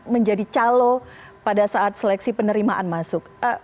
menjadi calo pada saat seleksi penerimaan masuk